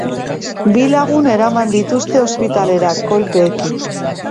Bi lagun eraman dituzte ospitalera, kolpeekin.